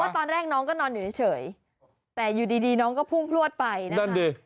เพราะว่าตอนแรกน้องก็นอนอยู่เฉยแต่อยู่ดีน้องก็พุ่งพลวดไปนะคะ